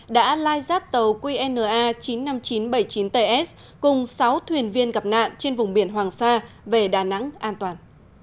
đã lai rát tàu qna chín mươi năm nghìn chín trăm bảy mươi chín ts cùng sáu thuyền viên gặp nạn trên vùng biển hoàng sa về đà nẵng an toàn